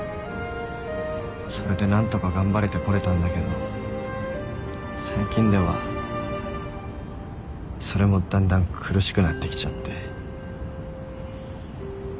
それでなんとか頑張れてこれたんだけど最近ではそれもだんだん苦しくなってきちゃって。